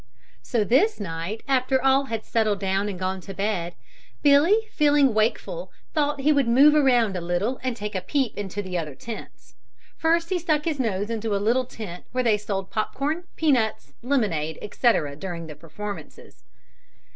So this night after all had settled down and gone to bed, Billy, feeling wakeful, thought he would move around a little and take a peep into the other tents. First he stuck his nose into a little tent where they sold pop corn, peanuts, lemonade etc., during the performances.